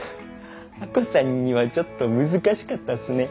亜子さんにはちょっと難しかったっすね。